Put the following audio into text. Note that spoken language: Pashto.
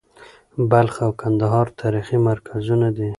بلخ او کندهار تاریخي مرکزونه دي.